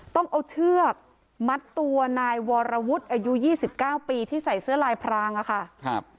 ต้องเอาเชือกมัดตัวนายวรวุฒิอายุ๒๙ปีที่ใส่เสื้อลายพรางอะค่ะ